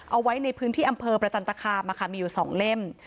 เอาไว้ในพื้นที่อำเภอประจันตคามมีอยู่๒เล่ม